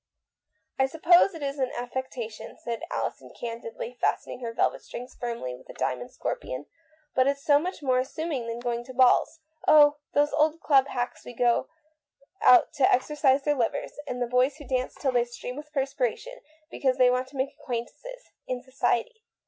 " I suppose it is an affectation," said Alison candidly, fastening her velvet strings firmly with a diamond scorpion, " but it's so much more amusing than going to balls. Oh, those old club hacks who go out to exercise their livers, and the boys who dance till they stream with perspiration, because they want to make acquaintances — in society."